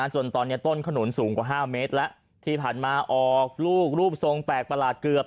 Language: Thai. จนตอนนี้ต้นขนุนสูงกว่า๕เมตรแล้วที่ผ่านมาออกลูกรูปทรงแปลกประหลาดเกือบ